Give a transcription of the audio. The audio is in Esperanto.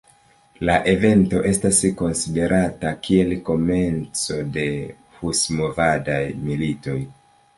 La evento estas konsiderata kiel komenco de husmovadaj militoj.